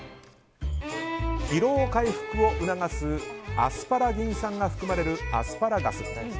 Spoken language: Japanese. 疲労回復を促すアスパラギン酸が含まれるアスパラガス。